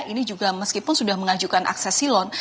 ini juga meskipun sudah mengajukan akses silon